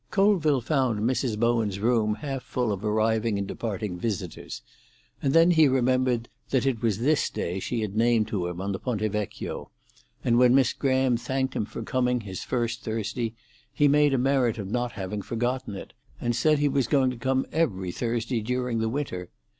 Colville found Mrs. Bowen's room half full of arriving and departing visitors, and then he remembered that it was this day she had named to him on the Ponte Vecchio, and when Miss Graham thanked him for coming his first Thursday, he made a merit of not having forgotten it, and said he was going to come every Thursday during the winter.